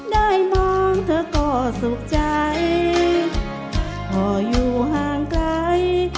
ได้มองเธอก็สุขใจพ่ออยู่ห่างไกล